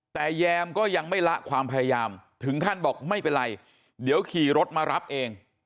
แต่แยมก็ยังไม่ละความพยายามถึงขั้นบอกไม่เป็นไรเดี๋ยวขี่รถมารับเอง